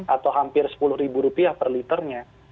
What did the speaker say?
atau hampir rp sepuluh per liternya